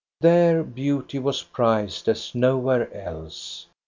There beauty was prized as nowhere else.